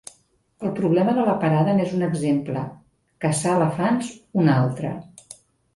El problema de la parada n'és un exemple. Caçar elefants, un altre.